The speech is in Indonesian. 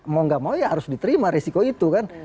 mau gak mau ya harus diterima resiko itu kan